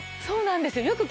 そうなんですよ。